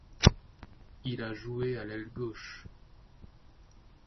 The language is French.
Il a joué à l’aile gauche.